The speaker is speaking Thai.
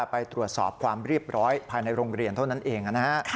ไปตรวจสอบความเรียบร้อยภายในโรงเรียนเท่านั้นเองนะฮะ